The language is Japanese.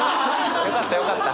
よかったよかった。